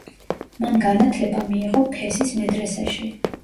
მან განათლება მიიღო ფესის მედრესეში.